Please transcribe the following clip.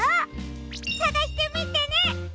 さがしてみてね！